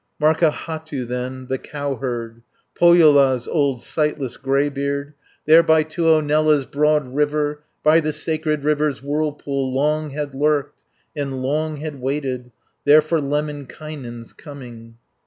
Markahattu then, the cowherd, Pohjola's old sightless greybeard, There by Tuonela's broad river, By the sacred river's whirlpool, Long had lurked, and long had waited, There for Lemminkainen's coming.